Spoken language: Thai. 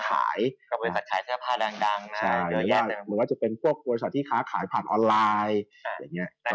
หรือว่าจะเป็นพวกบริษัทที่ค้าขายผ่านออนไลน์